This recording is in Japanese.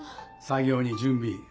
作業に準備